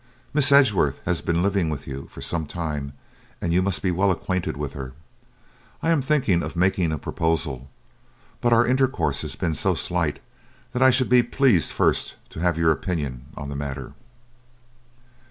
Miss Edgeworth has been living with you for some time, and you must be well acquainted with her. I am thinking of making a proposal, but our intercourse has been so slight, that I should be pleased first to have your opinion on the matter.'